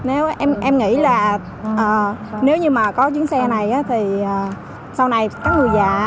em nghĩ là nếu như mà có chiếc xe này thì sau này các người giả